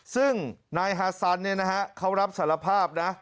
ซึ่งนายฮาซันเนี่ยนะฮะเขารับสารภาพนะ